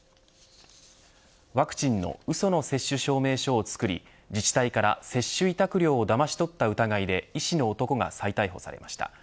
ワクチンのうその接種証明書を作り自治体から接種委託料をだまし取った疑いで医師の男が再逮捕されました。